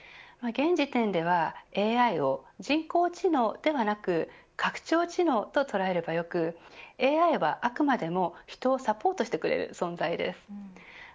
現時点ではＡＩを人工知能ではなく拡張知能と捉えればよくＡＩはあくまでも人をサポートしてくれる存在です。